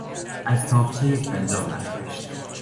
از تاقچه یک فنجان برداشت.